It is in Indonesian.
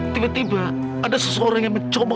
tiba tiba ada seseorang yang mencoba